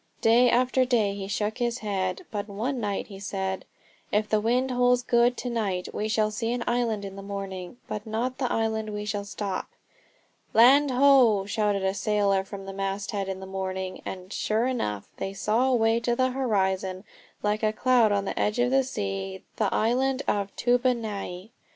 Day after day he shook his head. But one night he said: "If the wind holds good to night we shall see an island in the morning, but not the island where we shall stop." "Land ho!" shouted a sailor from the masthead in the morning, and, sure enough, they saw away on the horizon, like a cloud on the edge of the sea, the island of Toobonai.